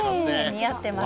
似合ってますね。